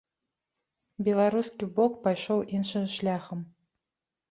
Беларускі бок пайшоў іншым шляхам.